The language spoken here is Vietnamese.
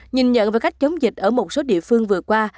nhìn nhận về cách chống dịch ở một số địa phương vừa qua